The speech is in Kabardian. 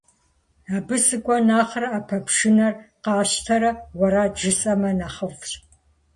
Абы сыкӀуэ нэхърэ, Ӏэпэпшынэр къасщтэрэ уэрэд жысӀэмэ нэхъыфӀщ.